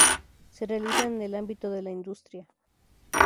Se realizan en el ámbito de la industria.